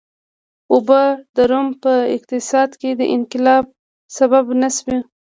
اوبه د روم په اقتصاد کې د انقلاب سبب نه شوې.